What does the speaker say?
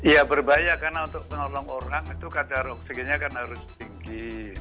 ya berbahaya karena untuk menolong orang itu kadar oksigennya kan harus tinggi